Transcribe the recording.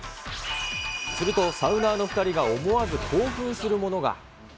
するとサウナーの２人が思わず興奮するものが。